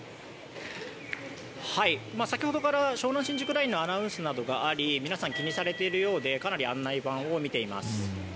はい、先ほどから湘南新宿ラインのアナウンスなどがあり皆さん気にされているようでかなり案内板を見ています。